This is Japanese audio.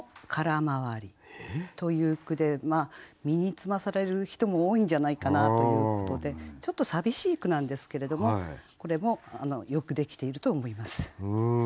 身につまされる人も多いんじゃないかなということでちょっと寂しい句なんですけれどもこれもよくできていると思います。